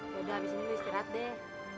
yaudah abis ini istirahat deh